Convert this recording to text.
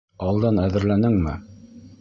Алдан әҙерләнеңме?